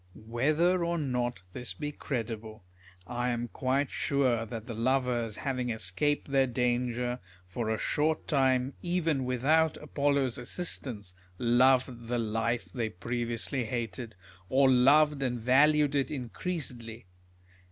Whether or not this be credible, I am quite sure that the lovers, having escaped their danger, for a short time even with out Apollo's assistance, loved the life they previously hated ; or loved and valued it increasedly.